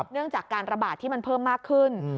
เนื่องจากการระบาดที่มันเพิ่มมากขึ้น